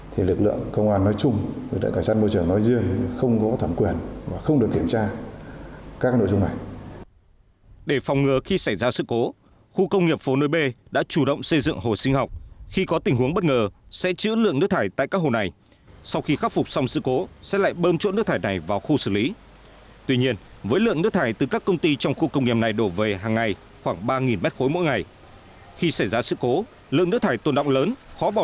thì lực lượng cảnh sát môi trường đã được tham gia hội đồng thẩm định với tư cách là một ủy viên trong thẩm định